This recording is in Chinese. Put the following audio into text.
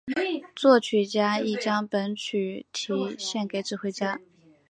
作曲家亦将本曲题献给指挥家。